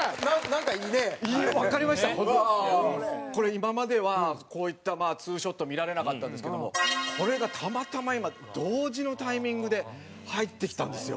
今まではこういったツーショット見られなかったんですけどもこれがたまたま今同時のタイミングで入ってきたんですよ。